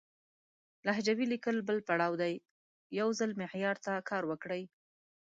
لهجوي ليکل بل پړاو دی، يو ځل معيار ته کار وکړئ!